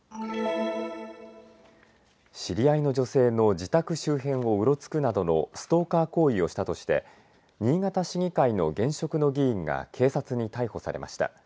知り合いの女性の自宅周辺をうろつくなどのストーカー行為をしたとして新潟市議会の現職の議員が警察に逮捕されました。